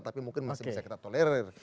tapi mungkin masih bisa kita tolerir